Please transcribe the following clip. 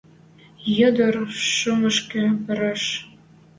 Ӹдӹр шӱмӹшкӹ пырыш.